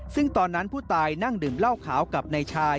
ซึ่งตอนนั้นผู้ตายนั่งดื่มเหล้าขาวกับนายชาย